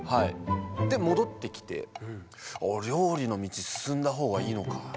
戻ってきて「料理の道進んだほうがいいのか」。